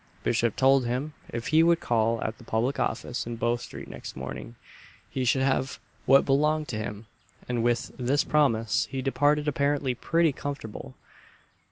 Bishop told him if he would call at the Public Office in Bow street next morning, he should have "what belonged to him;" and with this promise he departed apparently pretty comfortable.